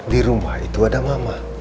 di rumah itu ada mama